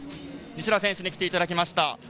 西田選手に来ていただきました。